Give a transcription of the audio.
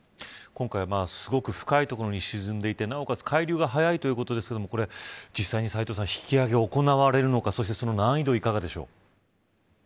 今回すごく深い所に沈んでいてなおかつ海流が速いということですが実際に引き揚げが行われるのかそして、その難易度はいかがでしょうか。